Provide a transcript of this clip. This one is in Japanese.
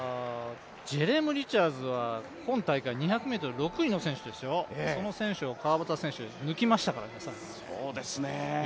リチャーズは今大会６位の選手ですよ、その選手を川端選手抜きましたから。